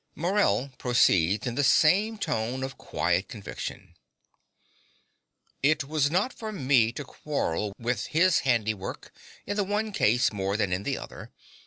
Morell proceeds in the same tone of quiet conviction.) It was not for me to quarrel with his handiwork in the one case more than in the other.